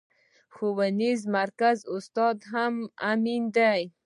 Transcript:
ښوونيز مرکز استاد هم امين دی.